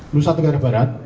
lusat tenggara barat